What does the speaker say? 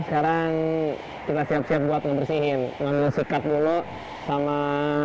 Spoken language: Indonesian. sekarang kita siap siap buat ngebersihin